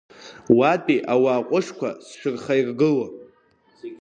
Уатәи ауаа ҟәышқәа сшырхаиргыло.